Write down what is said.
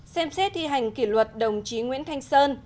ba xem xét thi hành kỷ luật đồng chí nguyễn thanh sơn